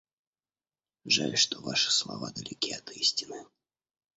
Жаль, что ваши слова далеки от истины.